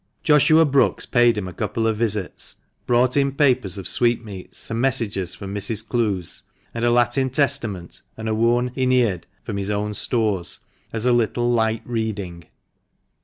Joshua Brookes paid him a couple of visits, brought him papers of sweetmeats and messages from Mrs. Clowes, and a Latin Testament and a worn ^Eneid from his own stores, as a little light reading.